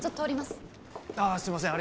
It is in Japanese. すいません